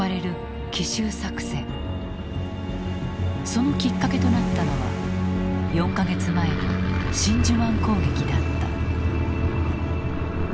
そのきっかけとなったのは４か月前の真珠湾攻撃だった。